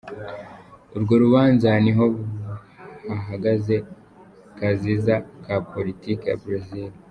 Urwo rubanza ni ho hahagaze kaziza ka politike ya Brezil.